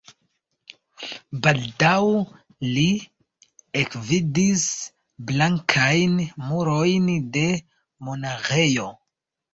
Baldaŭ li ekvidis blankajn murojn de monaĥejo.